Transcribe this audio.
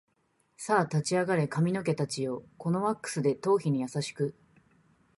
さあ立ち上がれ髪の毛たちよ、このワックスで頭皮に優しく